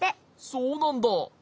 そうなんだ。